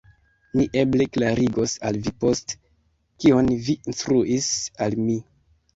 Mi eble klarigos al vi poste, kion vi instruis al mi.